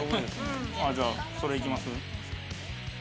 じゃあそれいきます？